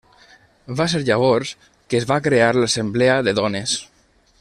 Va ser llavors que es va crear l'Assemblea de dones.